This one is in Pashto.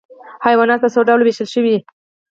حیوانات په څو ډلو ویشل شوي؟